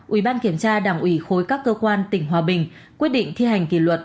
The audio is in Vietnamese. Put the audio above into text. ủy ban kiểm tra đảng ủy khối các cơ quan tỉnh hòa bình quyết định thi hành kỷ luật